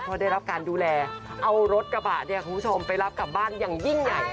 พอได้รับการดูแลเอารถกระบะเนี่ยคุณผู้ชมไปรับกลับบ้านอย่างยิ่งใหญ่